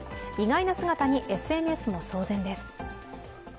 意外な姿にＳＮＳも騒然です。